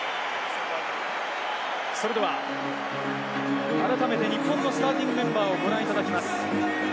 それでは、改めて日本のスターティングメンバーをご覧いただきます。